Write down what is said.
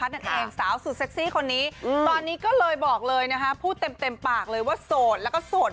เขาบอกมาเลยชัด